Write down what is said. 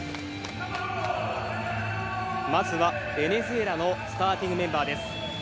まずはベネズエラのスターティングメンバーです。